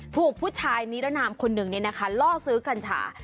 ถูกผู้ชายนิรนามคนหนึ่งล่อซื้อกัญชา